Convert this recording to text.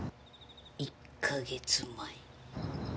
１カ月前。